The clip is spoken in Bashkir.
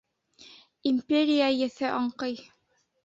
Империя еҫе аңҡый